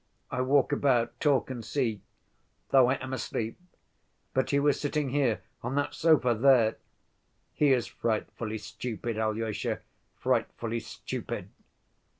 I walk about, talk and see ... though I am asleep. But he was sitting here, on that sofa there.... He is frightfully stupid, Alyosha, frightfully stupid."